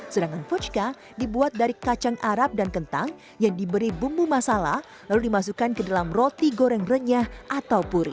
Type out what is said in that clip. sedangkan fuchka dibuat dari kacang arab dan kentang yang diberi bumbu masala lalu dimasukkan ke dalam roti goreng renyah atau puri